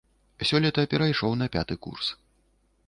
Сёлета перайшоў на пяты курс.